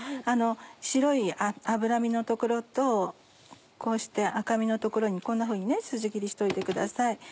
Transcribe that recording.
白い脂身の所とこうして赤身の所にこんなふうにスジ切りしておいてください。